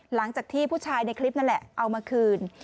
หลังจากที่ผู้ชายในคลิปนั่นแหละเอามาคืน